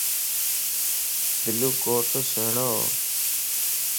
بلو ڪوٽ سھڻوو